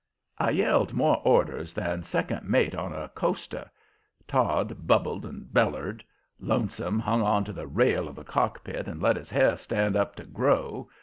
I yelled more orders than second mate on a coaster. Todd bubbled and bellered. Lonesome hung on to the rail of the cockpit and let his hair stand up to grow.